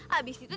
dia dia dia itu